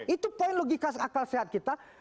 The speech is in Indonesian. itu poin logika akal sehat kita